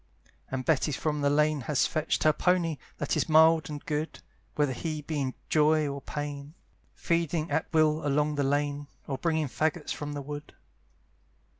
And Betty from the lane has fetched Her pony, that is mild and good, Whether he be in joy or pain, Feeding at will along the lane, Or bringing faggots from the wood.